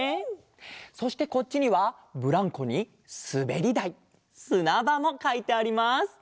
そしてこっちにはブランコにすべりだいすなばもかいてあります。